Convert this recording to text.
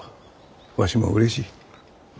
わしもうれしい。